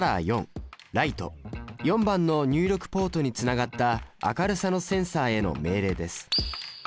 ４番の入力ポートにつながった明るさのセンサへの命令です。